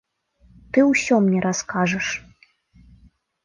Ты ўсё мне раскажаш!